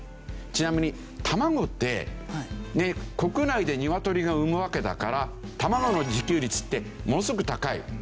ちなみに卵って国内で鶏が生むわけだから卵の自給率ってものすごく高い。